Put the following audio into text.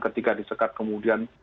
ketika disekat kemudian